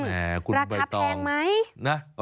แหมคุณใบตองราคาแพงไหม